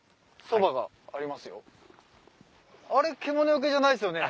あれ獣よけじゃないですよね？